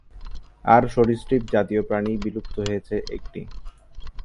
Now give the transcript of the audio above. আর সরীসৃপজাতীয় প্রাণী বিলুপ্ত হয়েছে একটি।